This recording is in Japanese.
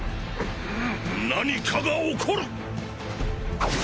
何かが起こる！